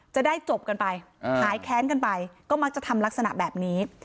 จะได้จบกันไปหายแค้นกันไปก็มักจะทำลักษณะแบบนี้